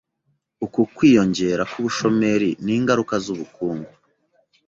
Uku kwiyongera k'ubushomeri ni ingaruka z'ubukungu.